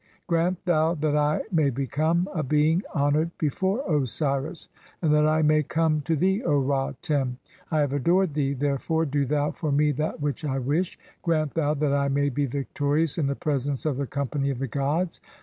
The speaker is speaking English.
1 Grant thou that I may become a being honoured "before Osiris, and that I may come to thee, O Ra Tem! I have "adored thee, therefore do thou for me that which I wish. Grant "thou (i3) that I may be victorious in the presence of the company "of the gods.